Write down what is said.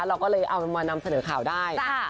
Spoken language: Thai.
เราก็เลยเอามานำเสนอข่าวได้